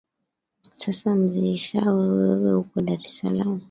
sasa mzee shaa wewe wewe uko dar es salam